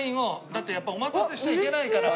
だってやっぱお待たせしちゃいけないから。